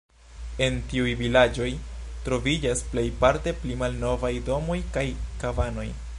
En tiuj vilaĝoj troviĝas plejparte pli malnovaj domoj kaj kabanoj.